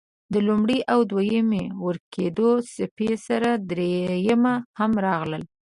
د لومړۍ او دویمې ورکېدو څپې سره دريمه هم راغله.